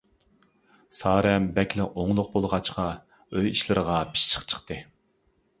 سارەم بەكلا ئوڭلۇق بولغاچقا، ئۆي ئىشلىرىغا پىششىق چىقتى.